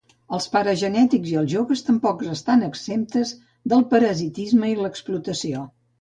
Els pares genètics i els joves tampoc estan exemptes al parasitisme i l'explotació.